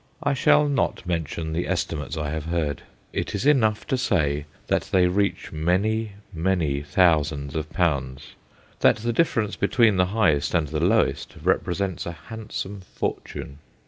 I shall not mention the estimates I have heard; it is enough to say they reach many, many thousands of pounds; that the difference between the highest and the lowest represents a handsome fortune.